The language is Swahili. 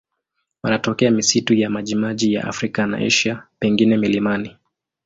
Wanatokea misitu ya majimaji ya Afrika na Asia, pengine milimani.